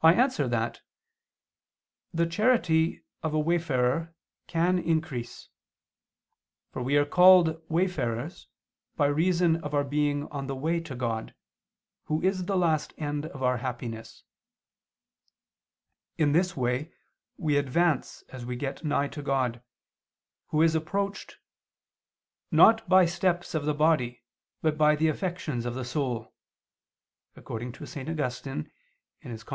I answer that, The charity of a wayfarer can increase. For we are called wayfarers by reason of our being on the way to God, Who is the last end of our happiness. In this way we advance as we get nigh to God, Who is approached, "not by steps of the body but by the affections of the soul" [*St. Augustine, Tract.